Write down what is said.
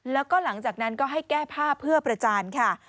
แล้วก็หลังจากนั้นก็ให้แก้ผ้าเพื่อประจานค่ะ